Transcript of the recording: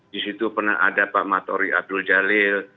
di situ pernah ada pak matori abdul jalil